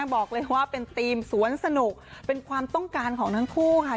บอกเลยว่าเป็นธีมสวนสนุกเป็นความต้องการของทั้งคู่ค่ะ